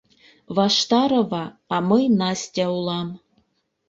Ваштарова, а мый Настя улам!